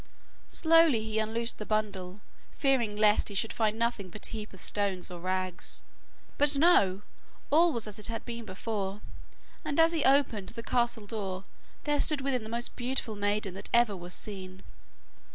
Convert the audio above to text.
Slowly he unloosed the bundle, fearing lest he should find nothing but a heap of stones or rags. But no! all was as it had been before, and as he opened the castle door there stood within the most beautiful maiden that ever was seen.